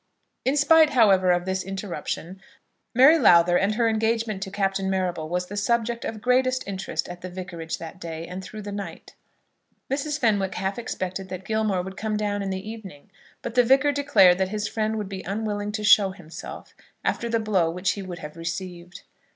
In spite, however, of this interruption, Mary Lowther and her engagement to Captain Marrable was the subject of greatest interest at the Vicarage that day and through the night. Mrs. Fenwick half expected that Gilmore would come down in the evening; but the Vicar declared that his friend would be unwilling to show himself after the blow which he would have received.